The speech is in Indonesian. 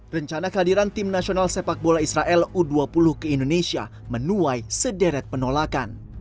rencana kehadiran tim nasional sepak bola israel u dua puluh ke indonesia menuai sederet penolakan